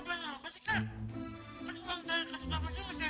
sampai jumpa di video selanjutnya